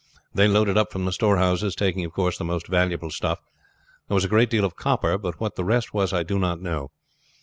They loaded up from the storehouses, taking, of course, the most valuable stuff. There was a great deal of copper, but what the rest was I do not know.